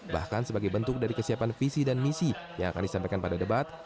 bahkan sebagai bentuk dari kesiapan visi dan misi yang akan disampaikan pada debat